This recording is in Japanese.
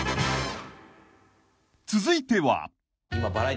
［続いては］